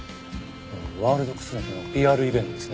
ワールドクスノキのＰＲイベントですね。